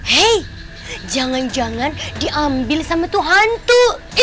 hei jangan jangan diambil sama tuh hantu